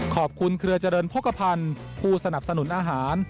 เครือเจริญโภคภัณฑ์ผู้สนับสนุนอาหาร